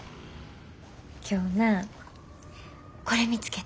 今日なこれ見つけた。